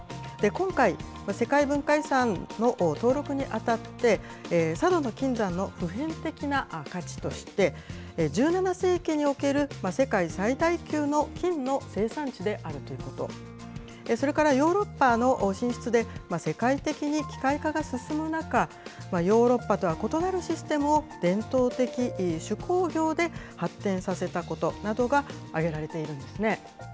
今回、世界文化遺産の登録にあたって、佐渡島の金山の普遍的な価値として、１７世紀における世界最大級の金の生産地であるということ、それからヨーロッパの進出で、世界的に機械化が進む中、ヨーロッパとは異なるシステムを伝統的手工業で発展させたことなどが挙げられているんですね。